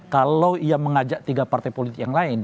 kalau ia mengajak tiga partai politik yang lain